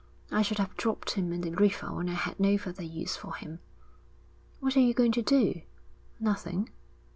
'I should have dropped him in the river when I had no further use for him.' 'What are you going to do?' 'Nothing.'